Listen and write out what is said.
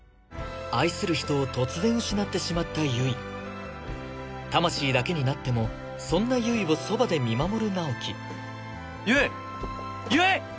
愛する人を突然失ってしまった悠依魂だけになってもそんな悠依をそばで見守る直木悠依悠依！